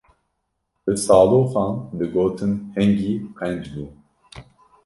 Bi saloxan digotin hingî qenc bû.